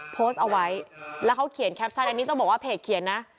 โพสต์เอาไว้แล้วเขาเขียนแคปชั่นอันนี้ต้องบอกว่าเพจเขียนนะ